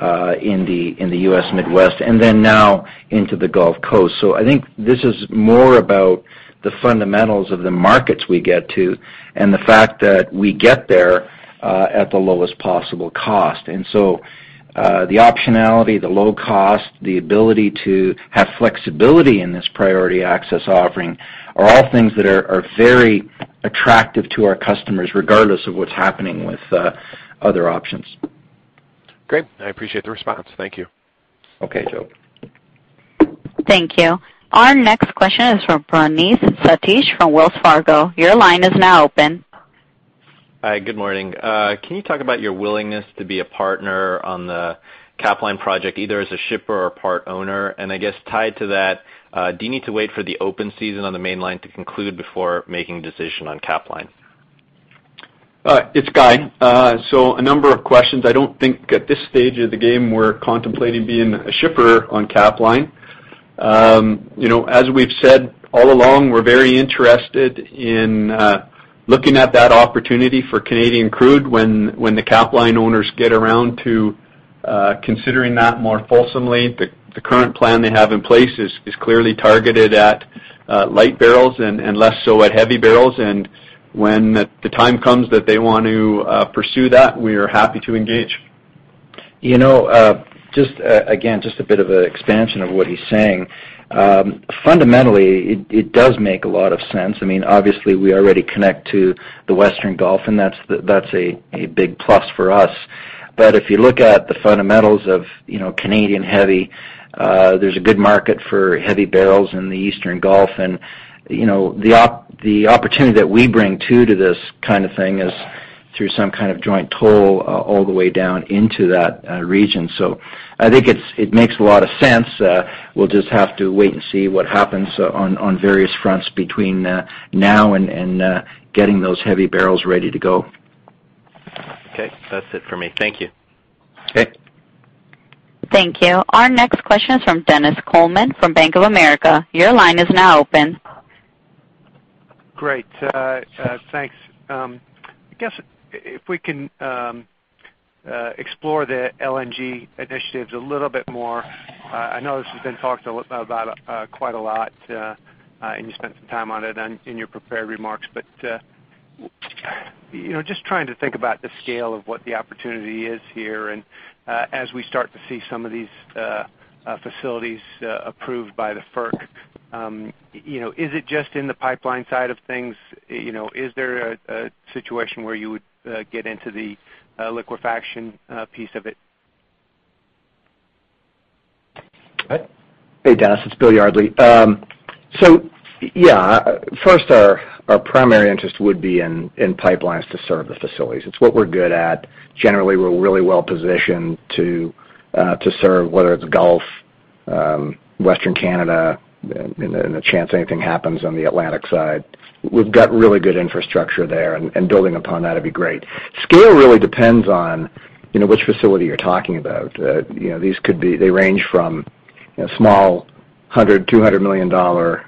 in the U.S. Midwest, and then now into the Gulf Coast. I think this is more about the fundamentals of the markets we get to and the fact that we get there, at the lowest possible cost. The optionality, the low cost, the ability to have flexibility in this priority access offering are all things that are very attractive to our customers regardless of what's happening with other options. Great. I appreciate the response. Thank you. Okay, Joe. Thank you. Our next question is from Praneeth Satish from Wells Fargo. Your line is now open. Hi. Good morning. Can you talk about your willingness to be a partner on the Capline project, either as a shipper or part-owner? I guess tied to that, do you need to wait for the open season on the mainline to conclude before making a decision on Capline? It's Guy. A number of questions. I don't think at this stage of the game, we're contemplating being a shipper on Capline. As we've said all along, we're very interested in looking at that opportunity for Canadian crude when the Capline owners get around to considering that more fulsomely. The current plan they have in place is clearly targeted at light barrels and less so at heavy barrels. When the time comes that they want to pursue that, we are happy to engage. Again, just a bit of an expansion of what he's saying. Fundamentally, it does make a lot of sense. Obviously, we already connect to the Western Gulf, and that's a big plus for us. If you look at the fundamentals of Canadian heavy, there's a good market for heavy barrels in the Eastern Gulf. The opportunity that we bring too to this kind of thing is through some kind of joint toll all the way down into that region. I think it makes a lot of sense. We'll just have to wait and see what happens on various fronts between now and getting those heavy barrels ready to go. Okay. That's it for me. Thank you. Okay. Thank you. Our next question is from Dennis Coleman from Bank of America. Your line is now open. Great. Thanks. I guess if we can explore the LNG initiatives a little bit more. I know this has been talked about quite a lot, and you spent some time on it in your prepared remarks. Just trying to think about the scale of what the opportunity is here, and as we start to see some of these facilities approved by the FERC, is it just in the pipeline side of things? Is there a situation where you would get into the liquefaction piece of it? Hey, Dennis. It's Bill Yardley. Yeah. First, our primary interest would be in pipelines to serve the facilities. It's what we're good at. Generally, we're really well-positioned to serve, whether it's Gulf, Western Canada, and the chance anything happens on the Atlantic side. We've got really good infrastructure there, and building upon that'd be great. Scale really depends on which facility you're talking about. They range from small 100 million, 200 million dollar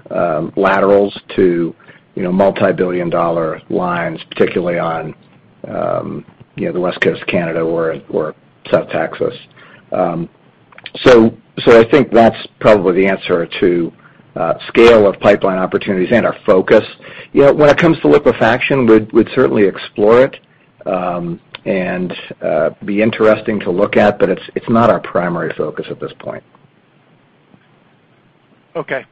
laterals to multibillion-dollar lines, particularly on the West Coast of Canada or South Texas. I think that's probably the answer to scale of pipeline opportunities and our focus. When it comes to liquefaction, we'd certainly explore it, and be interesting to look at, but it's not our primary focus at this point. Okay.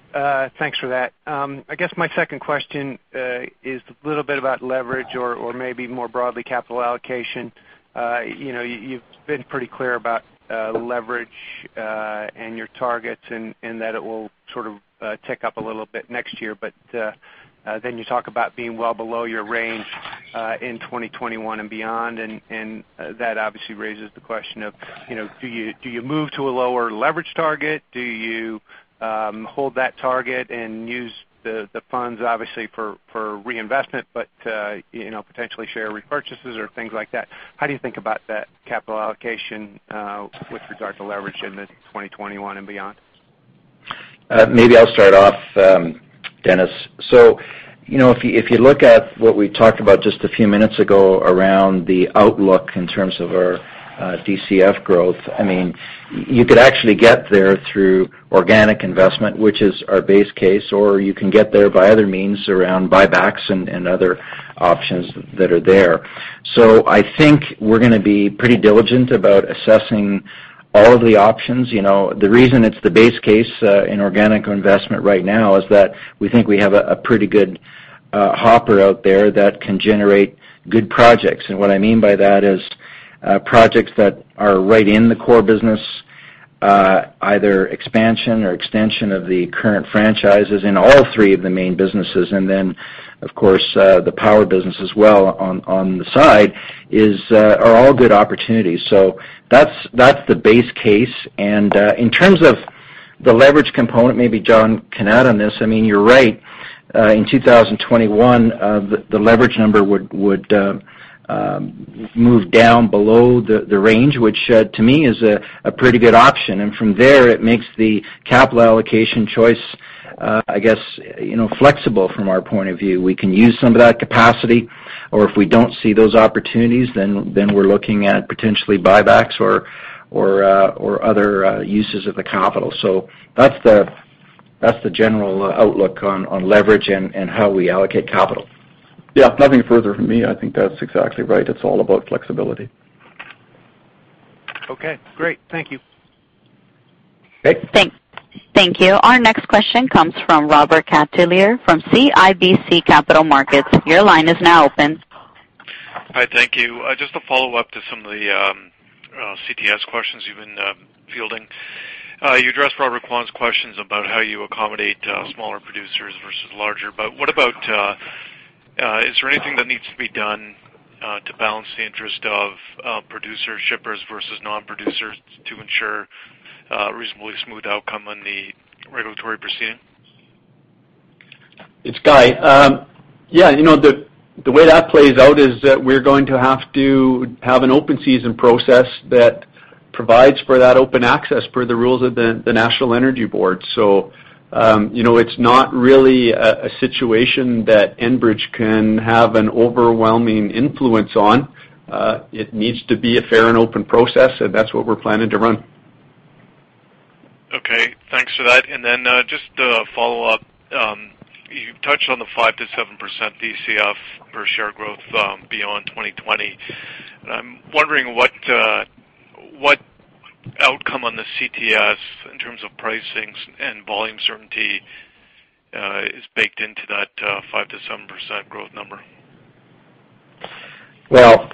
Thanks for that. I guess my second question is a little bit about leverage or maybe more broadly, capital allocation. You've been pretty clear about leverage, and your targets and that it will sort of tick up a little bit next year. Then you talk about being well below your range, in 2021 and beyond, and that obviously raises the question of do you move to a lower leverage target? Do you hold that target and use the funds obviously for reinvestment, but potentially share repurchases or things like that? How do you think about that capital allocation, with regard to leverage in the 2021 and beyond? Maybe I'll start off, Dennis. If you look at what we talked about just a few minutes ago around the outlook in terms of our DCF growth, you could actually get there through organic investment, which is our base case, or you can get there by other means around buybacks and other options that are there. I think we're going to be pretty diligent about assessing all of the options. The reason it's the base case in organic investment right now is that we think we have a pretty good hopper out there that can generate good projects. What I mean by that is projects that are right in the core business, either expansion or extension of the current franchises in all three of the main businesses. Then, of course, the power business as well, on the side, are all good opportunities. That's the base case. In terms of the leverage component, maybe John can add on this. You're right. In 2021, the leverage number would move down below the range, which to me is a pretty good option. From there, it makes the capital allocation choice, I guess, flexible from our point of view. We can use some of that capacity, or if we don't see those opportunities, then we're looking at potentially buybacks or other uses of the capital. That's the general outlook on leverage and how we allocate capital. Yeah. Nothing further from me. I think that's exactly right. It's all about flexibility. Okay, great. Thank you. Okay. Thank you. Our next question comes from Robert Catellier from CIBC Capital Markets. Your line is now open. Hi, thank you. Just a follow-up to some of the CTS questions you've been fielding. You addressed Robert Kwan's questions about how you accommodate smaller producers versus larger, but what about, is there anything that needs to be done to balance the interest of producer shippers versus non-producers to ensure a reasonably smooth outcome on the regulatory proceeding? It's Guy. Yeah. The way that plays out is that we're going to have to have an open-season process that provides for that open access per the rules of the National Energy Board. It's not really a situation that Enbridge can have an overwhelming influence on. It needs to be a fair and open process, and that's what we're planning to run. Okay, thanks for that. Just to follow up, you touched on the 5%-7% DCF per share growth beyond 2020. I'm wondering what outcome on the CTS in terms of pricings and volume certainty is baked into that 5%-7% growth number. Well,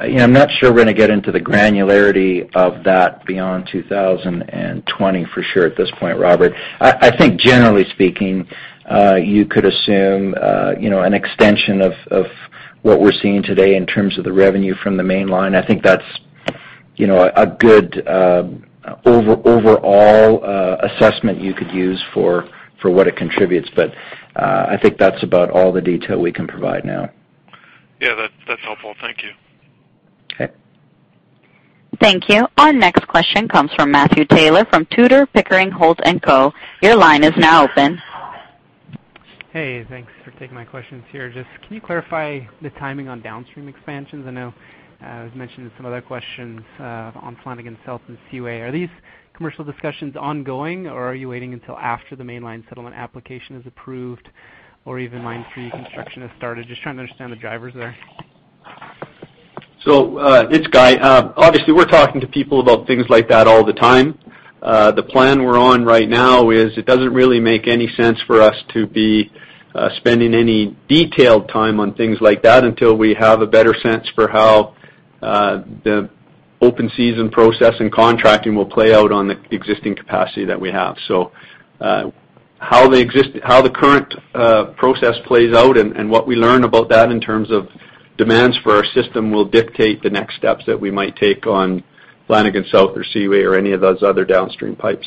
I'm not sure we're going to get into the granularity of that beyond 2020 for sure at this point, Robert. I think generally speaking, you could assume an extension of what we're seeing today in terms of the revenue from the mainline. I think that's a good overall assessment you could use for what it contributes. I think that's about all the detail we can provide now. Yeah, that's helpful. Thank you. Okay. Thank you. Our next question comes from Matthew Taylor from Tudor, Pickering, Holt & Co. Your line is now open. Can you clarify the timing on downstream expansions? I know it was mentioned in some other questions on Flanagan South and Seaway. Are these commercial discussions ongoing, or are you waiting until after the mainline settlement application is approved or even Line 3 construction has started? Trying to understand the drivers there. It's Guy. Obviously, we're talking to people about things like that all the time. The plan we're on right now is it doesn't really make any sense for us to be spending any detailed time on things like that until we have a better sense for how the open-season process and contracting will play out on the existing capacity that we have. How the current process plays out and what we learn about that in terms of demands for our system will dictate the next steps that we might take on Flanagan South or Seaway or any of those other downstream pipes.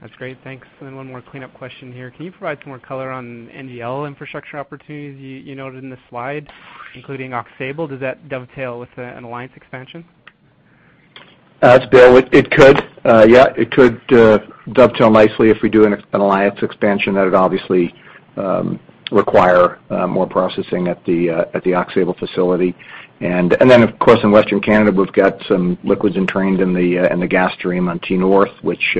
That's great. Thanks. One more cleanup question here. Can you provide some more color on NGL infrastructure opportunities you noted in the slide, including Aux Sable? Does that dovetail with an Alliance expansion? It's Bill. It could. It could dovetail nicely if we do an Alliance expansion. That'd obviously require more processing at the Aux Sable facility. Of course, in Western Canada, we've got some liquids entrained in the gas stream on T-North, which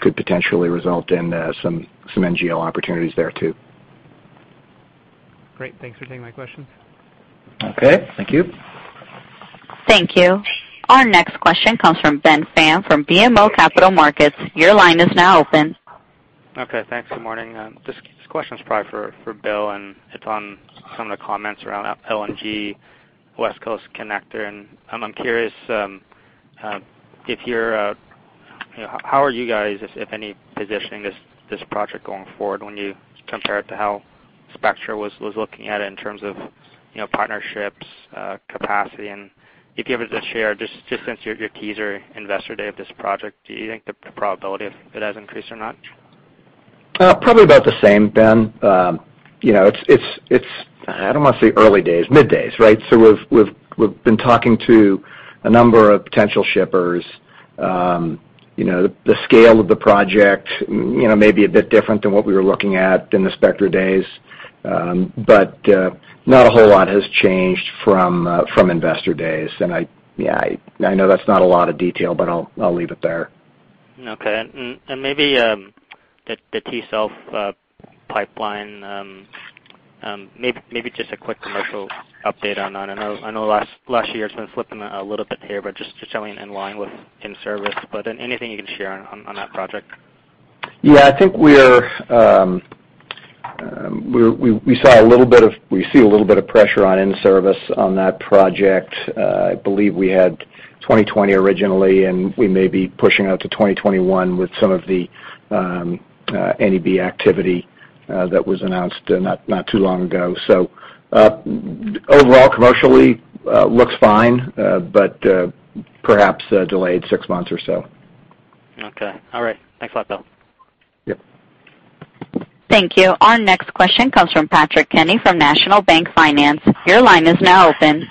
could potentially result in some NGL opportunities there, too. Great. Thanks for taking my questions. Okay. Thank you. Thank you. Our next question comes from Ben Pham from BMO Capital Markets. Your line is now open. Okay. Thanks. Good morning. This question's probably for Bill. It's on some of the comments around LNG Westcoast Connector. I'm curious, how are you guys, if any, positioning this project going forward when you compare it to how Spectra was looking at it in terms of partnerships, capacity and if given the share, just since your teaser Investor Day of this project, do you think the probability of it has increased or not? Probably about the same, Ben. It's, I don't want to say early days, mid days, right? We've been talking to a number of potential shippers. The scale of the project may be a bit different than what we were looking at in the Spectra days. Not a whole lot has changed from Investor Days. I know that's not a lot of detail, but I'll leave it there. Okay. Maybe the T-South pipeline, maybe just a quick commercial update on that. I know last year it's been slipping a little bit here, but just showing in line with in-service. Anything you can share on that project? Yeah, I think we see a little bit of pressure on in-service on that project. I believe we had 2020 originally. We may be pushing out to 2021 with some of the NEB activity that was announced not too long ago. Overall, commercially looks fine. Perhaps delayed six months or so. Okay. All right. Thanks a lot, Bill. Yep. Thank you. Our next question comes from Patrick Kenny from National Bank Financial. Your line is now open.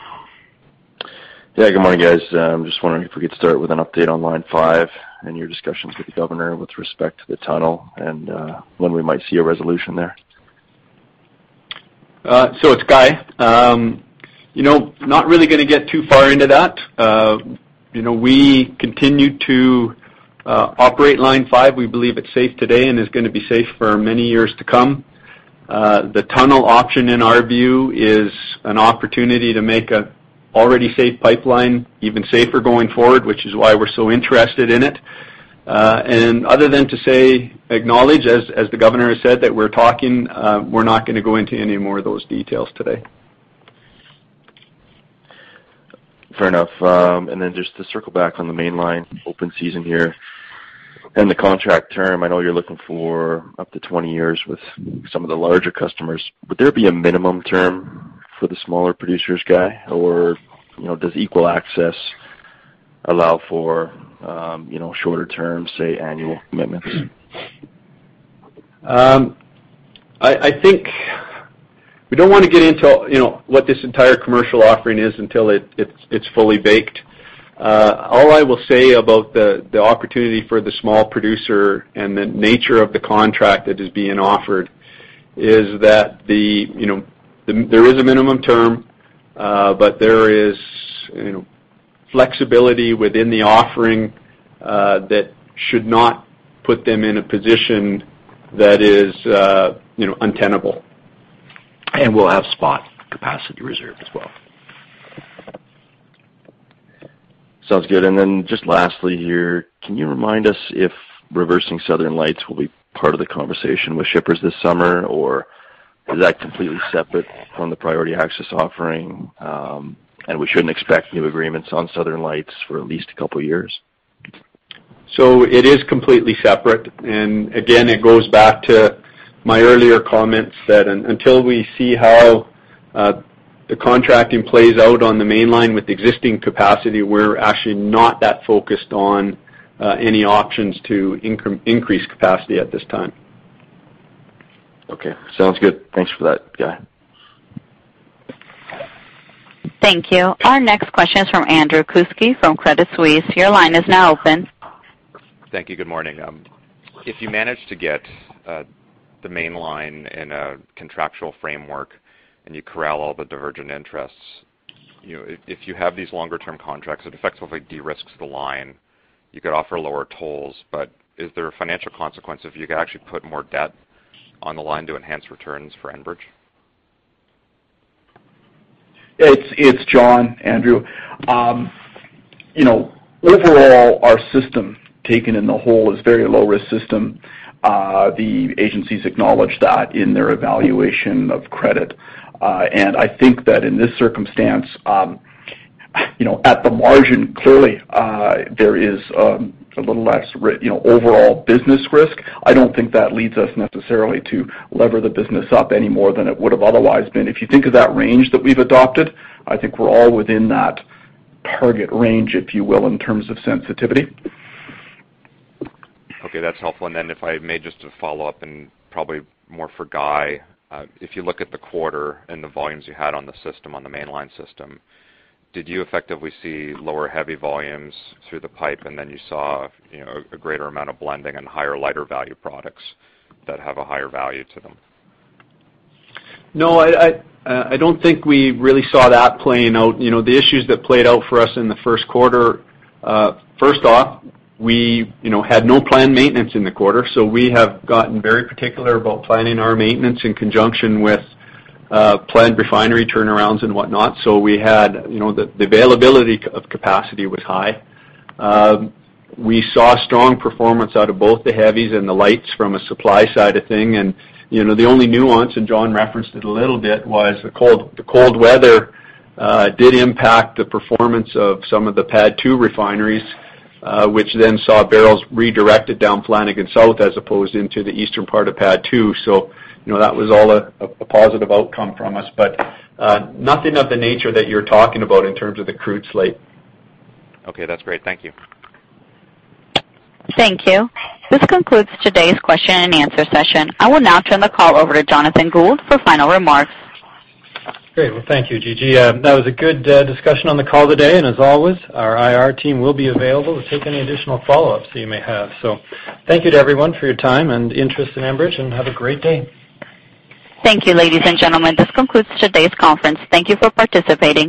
Yeah, good morning, guys. Just wondering if we could start with an update on Line 5 and your discussions with the governor with respect to the tunnel and when we might see a resolution there. It's Guy. Not really going to get too far into that. We continue to operate Line 5. We believe it's safe today and is going to be safe for many years to come. The tunnel option, in our view, is an opportunity to make an already safe pipeline even safer going forward, which is why we're so interested in it. Other than to say, acknowledge, as the governor has said, that we're talking, we're not going to go into any more of those details today. Fair enough. Just to circle back on the mainline open season here and the contract term, I know you're looking for up to 20 years with some of the larger customers. Would there be a minimum term for the smaller producers, Guy, or does equal access allow for shorter terms, say, annual commitments? I think we don't want to get into what this entire commercial offering is until it's fully baked. All I will say about the opportunity for the small producer and the nature of the contract that is being offered is that there is a minimum term, there is flexibility within the offering that should not put them in a position that is untenable. We'll have spot capacity reserved as well. Sounds good. Just lastly here, can you remind us if reversing Southern Lights will be part of the conversation with shippers this summer, is that completely separate from the priority access offering, we shouldn't expect new agreements on Southern Lights for at least a couple of years? It is completely separate, again, it goes back to my earlier comments that until we see how the contracting plays out on the mainline with existing capacity, we're actually not that focused on any options to increase capacity at this time. Okay, sounds good. Thanks for that, Guy. Thank you. Our next question is from Andrew Kuske from Credit Suisse. Your line is now open. Thank you. Good morning. If you manage to get the mainline in a contractual framework and you corral all the divergent interests, if you have these longer-term contracts, it effectively de-risks the line. Is there a financial consequence if you could actually put more debt on the line to enhance returns for Enbridge? It's John, Andrew. Overall, our system, taken in the whole, is a very low-risk system. The agencies acknowledge that in their evaluation of credit. I think that in this circumstance, at the margin, clearly, there is a little less overall business risk. I don't think that leads us necessarily to lever the business up any more than it would have otherwise been. If you think of that range that we've adopted, I think we're all within that target range, if you will, in terms of sensitivity. Okay, that's helpful. If I may just to follow up, and probably more for Guy, if you look at the quarter and the volumes you had on the system, on the mainline system, did you effectively see lower heavy volumes through the pipe, then you saw a greater amount of blending and higher lighter value products that have a higher value to them? No, I don't think we really saw that playing out. The issues that played out for us in the first quarter, first off, we had no planned maintenance in the quarter, we have gotten very particular about planning our maintenance in conjunction with planned refinery turnarounds and whatnot. The availability of capacity was high. We saw strong performance out of both the heavies and the lights from a supply side of thing. The only nuance, and John referenced it a little bit, was the cold weather did impact the performance of some of the PADD 2 refineries which then saw barrels redirected down Flanagan South as opposed into the eastern part of PADD 2. That was all a positive outcome from us, but nothing of the nature that you're talking about in terms of the crude slate. Okay, that's great. Thank you. Thank you. This concludes today's question and answer session. I will now turn the call over to Jonathan Gould for final remarks. Great. Well, thank you, Gigi. That was a good discussion on the call today, and as always, our IR team will be available to take any additional follow-ups that you may have. Thank you to everyone for your time and interest in Enbridge, have a great day. Thank you, ladies and gentlemen. This concludes today's conference. Thank you for participating.